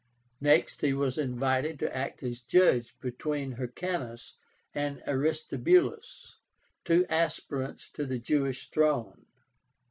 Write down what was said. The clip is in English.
Next he was invited to act as judge between Hyrcánus and Aristobúlus, two aspirants to the Jewish throne.